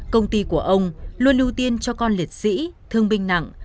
công ty của ông luôn ưu tiên cho con liệt sĩ thương binh nặng